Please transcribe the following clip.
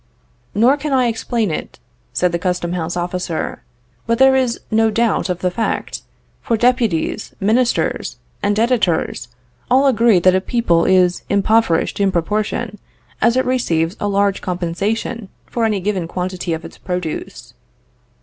Nor can I explain it, said the custom house officer, but there is no doubt of the fact; for deputies, ministers, and editors, all agree that a people is impoverished in proportion as it receives a large compensation for any given quantity of its produce.